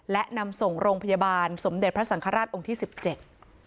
และนำส่งโรงพยาบาลสมเด็จพระสังฆราชองค์ที่สิบเจ็ด